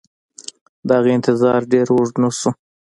دغه انتظار ډېر اوږد نه شو